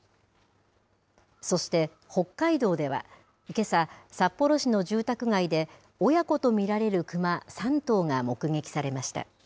そして、北海道では、けさ、札幌市の住宅街で親子と見られるクマ３頭が目撃されました。